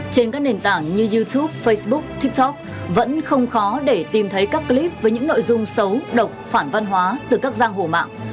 trên các nền tảng như youtube facebook tiktok vẫn không khó để tìm thấy các clip với những nội dung xấu độc phản văn hóa từ các giang hổ mạng